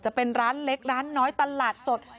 จะเป็นร้านเล็กร้านน้อยตลาดสด